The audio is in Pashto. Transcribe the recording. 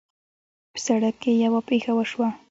په سړک کې یوه پېښه وشوه